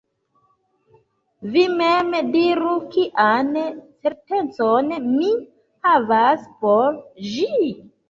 Vi mem diru: kian certecon mi havas por ĝi?